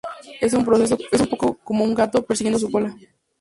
Es un poco como un gato persiguiendo su cola.